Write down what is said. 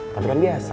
tapi kan biasa